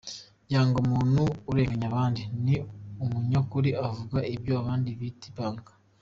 Yanga umuntu urenganya abandi, ni umunyakuri avuga nibyo abandi bita ibanga.